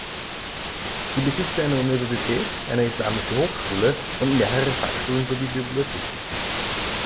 Sie besitzt eine Universität, eine islamische Hochschule und mehrere Fachschulen sowie Bibliotheken.